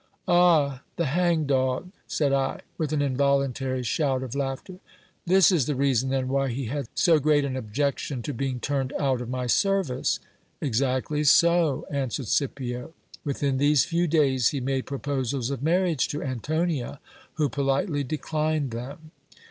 Ah ! the hangdog ! said I, with an involuntary shout of laughter : this is the reason, then, why he had so great an objection to being turned out of my service. Exactly so, answered Scipio ; within these few days he made proposals of marriage to Antonia, who politely declined them.